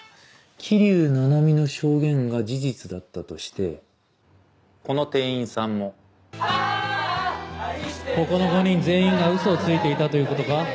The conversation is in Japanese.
桐生菜々美の証言が事実だったとしてこの店員さんもここの５人全員がウソをついていたということか？